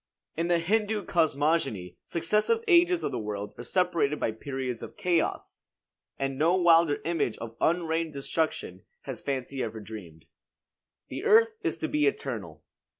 In the Hindoo cosmogony successive ages of the world are separated by periods of chaos; and no wilder image of unreined destruction has fancy ever dreamed. The earth is to be eternal.